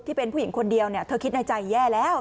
ที่เป็นผู้หญิงคนเดียวเธอคิดในใจแย่แล้ว